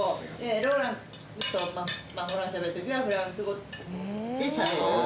ローランと眞秀がしゃべる時はフランス語でしゃべる。